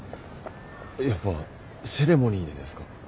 やっぱセレモニーでですか？